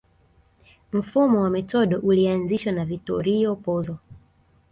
Mfumo wa metodo ulianzishwa na Vittorio Pozzo